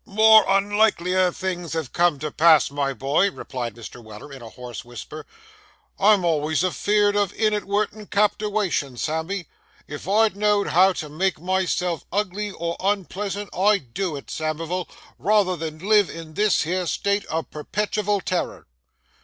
'More unlikelier things have come to pass, my boy,' replied Mr. Weller in a hoarse whisper; 'I'm always afeerd of inadwertent captiwation, Sammy. If I know'd how to make myself ugly or unpleasant, I'd do it, Samivel, rayther than live in this here state of perpetival terror!